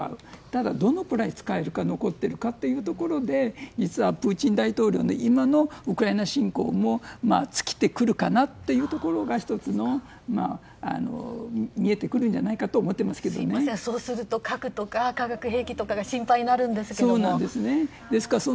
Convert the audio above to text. ただ、どのくらいミサイルが残っているかというところで実はプーチン大統領の今のウクライナ侵攻も尽きてくるかなというところが１つ、見えてくるんじゃないかとそうすると、核とか化学兵器とかが心配になるんですけれども。